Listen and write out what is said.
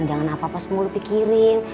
jangan apa apa semua lu pikirin